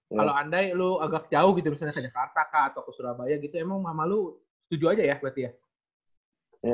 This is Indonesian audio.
nah kalo andai lu agak jauh gitu misalnya ke jakarta kak atau ke surabaya gitu emang sama lu setuju aja ya berarti ya